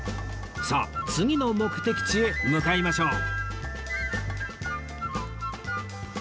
さあ次の目的地へ向かいましょう